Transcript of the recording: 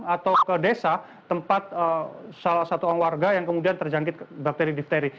atau ke desa tempat salah satu warga yang kemudian terjangkit bakteri difteri